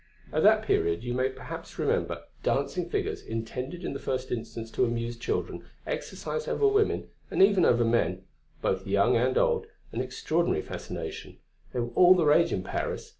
At that period, you perhaps remember, dancing figures, intended in the first instance to amuse children, exercised over women and even over men, both young and old, an extraordinary fascination; they were all the rage in Paris.